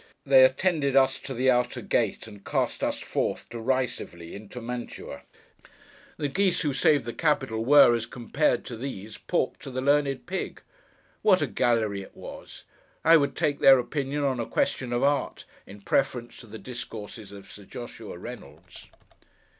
they attended us to the outer gate, and cast us forth, derisively, into Mantua. The geese who saved the Capitol, were, as compared to these, Pork to the learned Pig. What a gallery it was! I would take their opinion on a question of art, in preference to the discourses of Sir Joshua Reynolds.